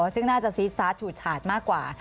ซึ่งน่าจะซีดซาสฉูดฉาดมากกว่า